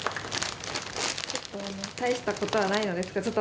大したことはないのですがちょっと